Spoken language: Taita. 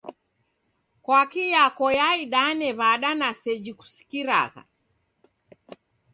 "Kwaki" yako yaindane w'ada na seji kusikiragha?